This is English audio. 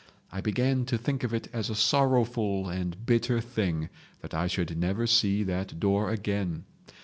I began to think of it as a sorrowful and bitter thing that I should never see that door again.